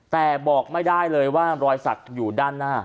แต่บอกไม่ได้เลยว่ารอยสักอยู่ด้านหน้า